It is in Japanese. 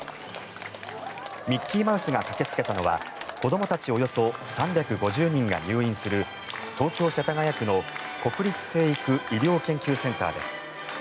ミッキーマウスが駆けつけたのは子どもたちおよそ３５０人が入院する東京・世田谷区の国立成育医療研究センターです。